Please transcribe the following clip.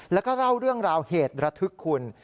แล้วก็เล่าเรื่องราวเหตุระทึกคุณ